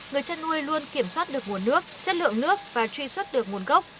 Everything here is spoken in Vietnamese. người chăn nuôi luôn kiểm soát được nguồn nước chất lượng nước và truy xuất được nguồn gốc